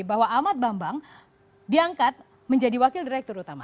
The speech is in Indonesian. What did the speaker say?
bahwa ahmad bambang diangkat menjadi wakil direktur utama